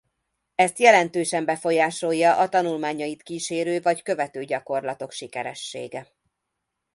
Ezt jelentősen befolyásolja a tanulmányait kísérő vagy követő gyakorlatok sikeressége.